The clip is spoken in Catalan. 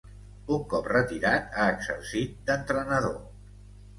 Un cop retirat ha exercit d'entrenador.